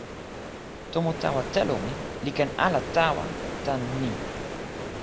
tomo tawa telo mi li ken ala tawa tan ni: